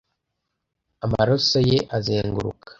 amaraso ye azenguruka